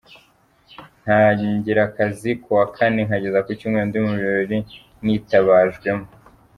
Ntangira akazi kuwa Kane nkageza ku Cyumweru ndi mu birori nitabajwemo.